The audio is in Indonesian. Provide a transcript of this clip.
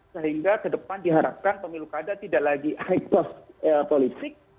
sehingga ke depan diharapkan pemilu kada tidak lagi high cost politik